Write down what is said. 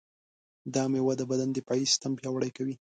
دا مېوه د بدن دفاعي سیستم پیاوړی کوي.